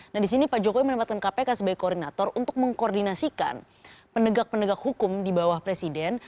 nah di sini pak jokowi menempatkan kpk sebagai koordinator untuk mengkoordinasikan penegak penegak hukum di bawah presiden